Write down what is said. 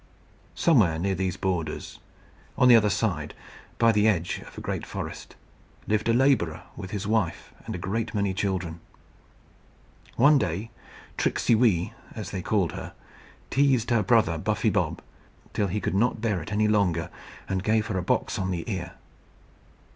Somewhere near these borders, on the other side, by the edge of a great forest, lived a labourer with his wife and a great many children. One day Tricksey Wee, as they called her, teased her brother Buffy Bob, till he could not bear it any longer, and gave her a box on the ear.